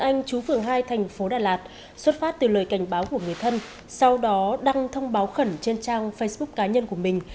anh chú phường hai thành phố đà lạt xuất phát từ lời cảnh báo của người thân sau đó đăng thông báo khẩn trên trang facebook cá nhân của mình